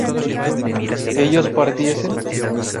ellos partiesen